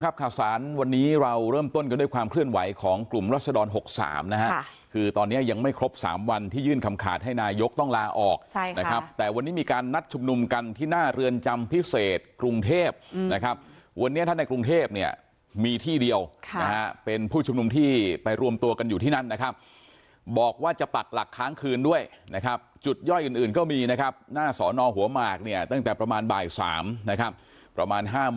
ครับข่าวสารวันนี้เราเริ่มต้นกันด้วยความเคลื่อนไหวของกลุ่มรัศดร๖๓นะฮะคือตอนนี้ยังไม่ครบ๓วันที่ยื่นคำขาดให้นายกต้องลาออกนะครับแต่วันนี้มีการนัดชุมนุมกันที่หน้าเรือนจำพิเศษกรุงเทพนะครับวันนี้ถ้าในกรุงเทพเนี่ยมีที่เดียวเป็นผู้ชุมนุมที่ไปรวมตัวกันอยู่ที่นั้นนะครับบอกว่าจะปักหลั